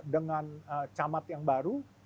dengan camat yang baru